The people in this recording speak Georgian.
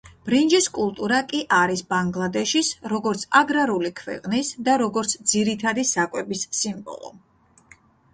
ბრინჯის კულტურა კი არის ბანგლადეშის, როგორც აგრარული ქვეყნის და როგორც, ძირითადი საკვების სიმბოლო.